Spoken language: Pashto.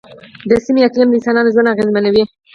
د سیمې اقلیم د انسانانو ژوند اغېزمنوي.